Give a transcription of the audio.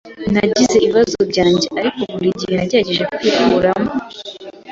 Nagize ibibazo byanjye, ariko buri gihe nagerageje kwikuramo.